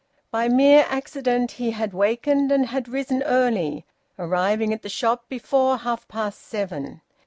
By mere accident he had wakened and had risen early, arriving at the shop before half past seven.